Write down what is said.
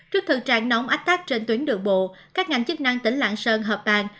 trước thực trạng nóng ách tác trên tuyến đường bộ các ngành chức năng tỉnh làng sơn hợp bàn